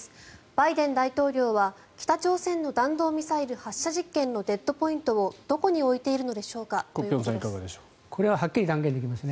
バイデン大統領は北朝鮮の弾道ミサイル発射実験のデッドポイントをどこに置いているのでしょうか？ということです。